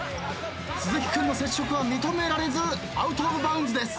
鈴木君の接触は認められずアウトオブバウンズです。